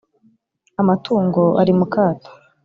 amatungo ari mu kato .